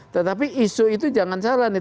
tetapi isu itu jangan salah nih